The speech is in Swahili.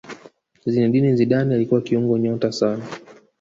zinedine zidane alikuwa kiungo nyota sana